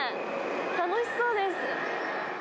楽しそうです。